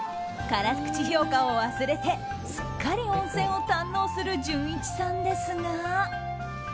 辛口評価を忘れてすっかり温泉を堪能するじゅんいちさんですが。